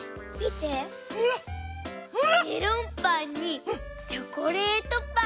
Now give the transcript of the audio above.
メロンパンにチョコレートパン。